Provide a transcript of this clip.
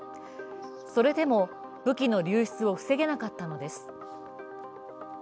それでも、武器の流出を防げなかったのです。